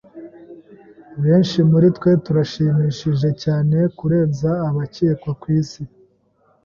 Benshi muritwe turashimishije cyane kurenza abakekwa kwisi.